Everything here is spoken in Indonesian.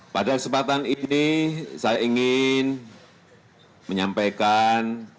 pada kesempatan ini saya ingin menyampaikan